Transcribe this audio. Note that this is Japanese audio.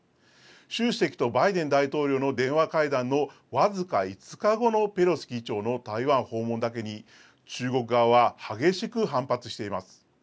習主席とバイデン大統領の電話会談の僅か５日後のペロシ議長の台湾訪問だけに、中国側は激しく反発しています。